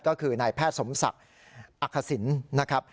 ก็คือนายแพทย์สมศักดิ์อักษิณนะครับ